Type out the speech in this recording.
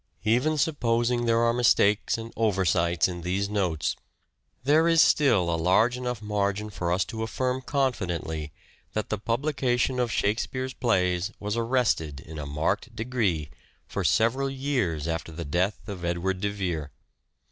Even supposing there are mistakes and oversights in these notes, there is still a large enough margin for us to affirm confidently that the publication of Shakespeare's plays was arrested in a marked degree for several years after the death of Edward de Vere.